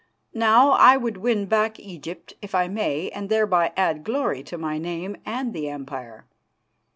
Now, I would win back Egypt, if I may, and thereby add glory to my name and the Empire.